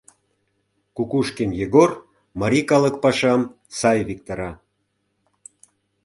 Кукушкин Егор марий калык пашам сай виктара.